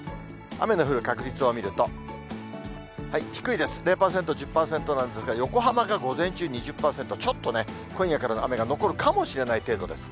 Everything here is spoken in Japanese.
雨の降る確率を見ると、低いです、０％、１０％なんですが、横浜が午前中２０％、ちょっとね、今夜からの雨が残るかもしれない程度です。